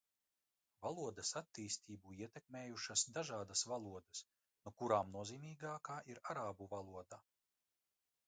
Valodas attīstību ietekmējušas dažādas valodas, no kurām nozīmīgākā ir arābu valoda.